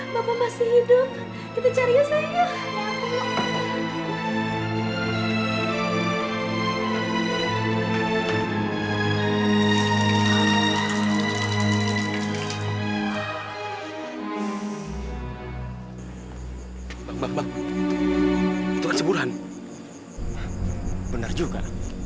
makan tetap amat juga